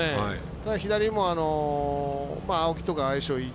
ただ、左も青木とか相性がいい。